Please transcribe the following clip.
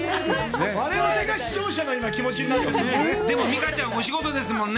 我々が視聴者の気持ちになっているんですね。